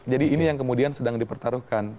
jadi ini yang kemudian sedang dipertaruhkan